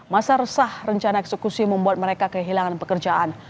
masa resah rencana eksekusi membuat mereka kehilangan pekerjaan